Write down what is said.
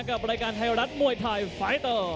กับรายการไทยรัฐมวยไทยไฟเตอร์